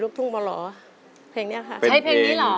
เป็นเพลงนี้เหรอ